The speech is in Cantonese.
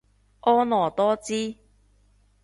婀娜多姿